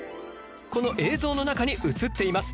この映像の中に映っています！